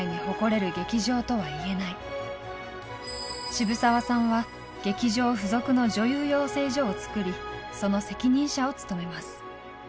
渋沢さんは劇場付属の女優養成所をつくりその責任者を務めます。